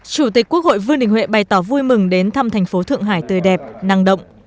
chủ tịch quốc hội vương đình huệ bày tỏ vui mừng đến thăm thành phố thượng hải tươi đẹp năng động